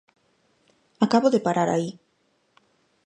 Acabo de parar aí.